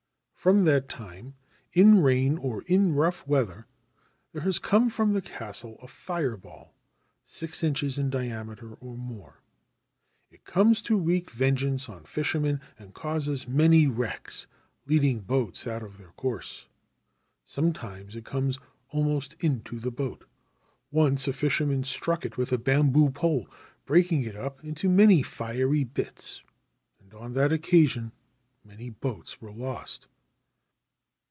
' From that time, in rain or in rough weather, there has come from the castle a fire ball, six inches in diameter or more. It comes to wreak vengeance on fishermen, and causes many wrecks, leading boats out of their course. Sometimes it comes almost into the boat. Once a fisherman struck it with a bamboo pole, breaking it up into many fiery bits ; and on that occasion many boats were lost.